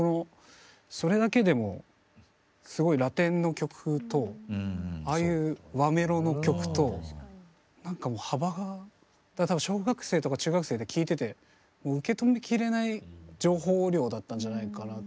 それだけでもすごいラテンの曲とああいう和メロの曲となんかもう幅がだから多分小学生とか中学生で聴いててもう受け止めきれない情報量だったんじゃないかなと思うんですけど。